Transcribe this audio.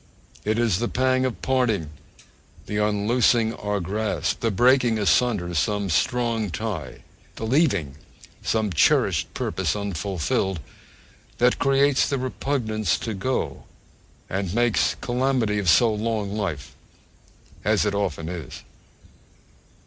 It is the pang of parting, the unloosing our grasp, the breaking asunder some strong tie, the leaving some cherished purpose unfulfilled, that creates the repugnance to go, and 'makes calamity of so long life,' as it often is.